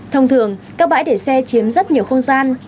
thông thường các bãi để xe chiếm rất nhiều không gian